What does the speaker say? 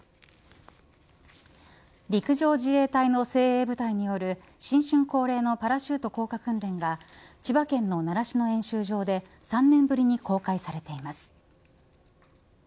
陸上自衛隊の精鋭部隊による新春恒例のパラシュート降下訓練が千葉県の習志野演習場で３年ぶりに公開されています。